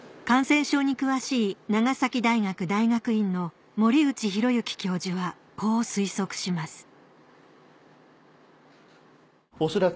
感染症に詳しい長崎大学大学院の森内浩幸教授はこう推測します